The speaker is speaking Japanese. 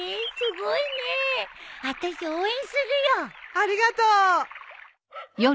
ありがとう。